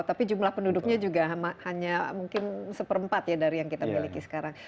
tapi jumlah penduduknya juga hanya mungkin seperempat ya dari yang kita miliki sekarang